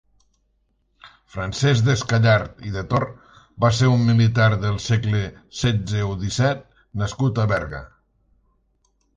Francesc Descatllar i de Tord va ser un militar del segle setzeu-disset nascut a Berga.